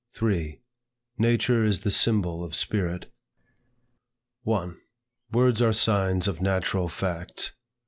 3. Nature is the symbol of spirit. 1. Words are signs of natural facts.